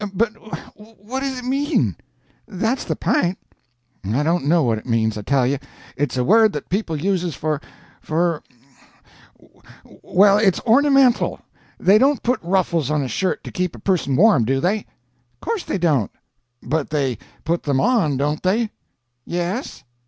"But what does it mean?—that's the p'int." "I don't know what it means, I tell you. It's a word that people uses for—for—well, it's ornamental. They don't put ruffles on a shirt to keep a person warm, do they?" "Course they don't." "But they put them on, don't they?" "Yes."